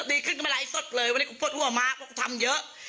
ดีขึ้นกันเมื่อไรสดเลยวันที่กูปกติว่ามากูทำเยอะ